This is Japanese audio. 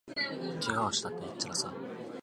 けがをしたって、へっちゃらさ